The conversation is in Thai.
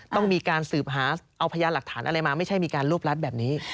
ต้องมีการสืบหาเอาพยานหลักฐานอะไรมาไม่ใช่มีการรวบรัดแบบนี้